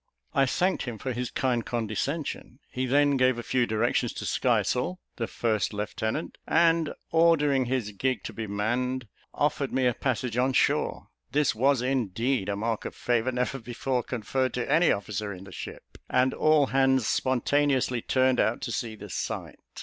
I thanked him for his kind condescension. He then gave a few directions to Skysail, the first lieutenant, and, ordering his gig to be manned, offered me a passage on shore. This was, indeed, a mark of favour never before conferred on any officer in the ship, and all hands spontaneously turned out to see the sight.